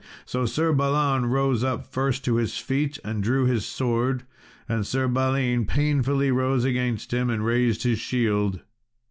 So Sir Balan rose up first to his feet and drew his sword, and Sir Balin painfully rose against him and raised his shield.